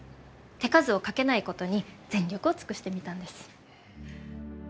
手数をかけないことに全力を尽くしてみたんです。